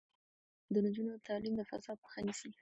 د نجونو تعلیم د فساد مخه نیسي.